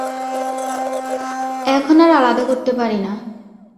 এখন আর আলাদা করতে পারি না।